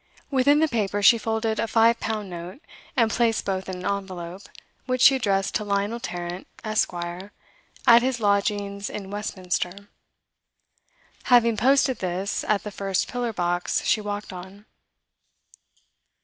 Within the paper she folded a five pound note, and placed both in an envelope, which she addressed to Lionel Tarrant, Esq., at his lodgings in Westminster. Having posted this at the first pillar box she walked on.